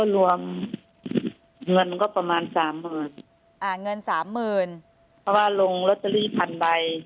รวมเงินก็ประมาณสามหมื่นเงินสามหมื่นเพราะว่าลงลอตเตอรี่พันใบ